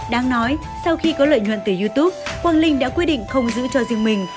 đáng nói sau khi có lợi nhuận từ youtube quang linh đã quyết định không giữ cho riêng mình